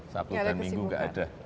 sabtu dan minggu nggak ada